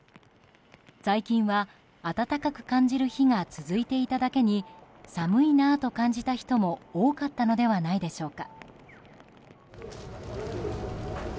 最近は、暖かく感じる日が続いていただけに寒いなと感じた人も多かったのではないでしょうか。